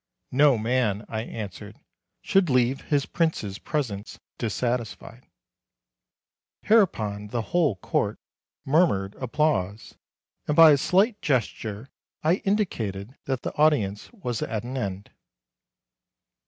"No man," I answered, "should leave his prince's presence dissatisfied." Hereupon the whole Court murmured applause, and by a slight gesture I indicated that the audience was at an end.